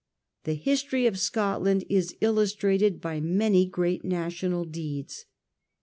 The history of Scotland is illustrated by many great national deeds.